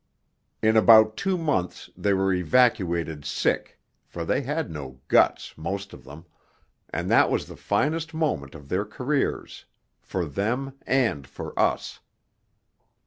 In about two months they were evacuated sick (for they had no 'guts,' most of them), and that was the finest moment of their careers for them and for us.